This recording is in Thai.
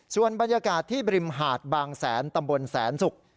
ส่วนบรรยากาศที่บริมหาดบางแสนตำบลแสนศุกร์